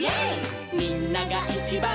「みんながいちばん」